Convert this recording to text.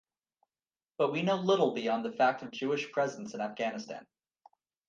But we know little beyond the fact of Jewish presence in Afghanistan.